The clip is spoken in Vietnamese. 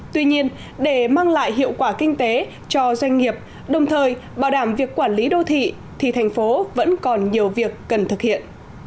tuy nhiên để mang lại hiệu quả kinh tế cho doanh nghiệp đồng thời bảo đảm việc quản lý đô thị thì thành phố vẫn còn nhiều việc cần thực hiện